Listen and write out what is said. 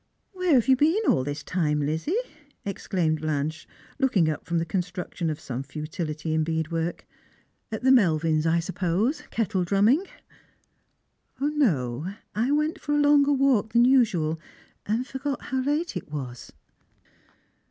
" Where have you been all this time, Lizzie ?" exclaimed Blanche, looking up from the construction of some futility in bead work. "At the Melvin's, I suppose, kettle drumming? " "No; I went for a longer walk than usual, and forgot how late it was."